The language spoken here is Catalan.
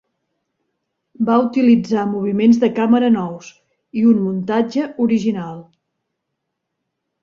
Va utilitzar moviments de càmera nous i un muntatge original.